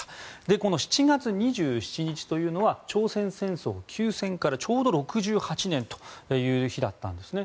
この７月２７日というのは朝鮮戦争休戦からちょうど６８年という日だったんですね。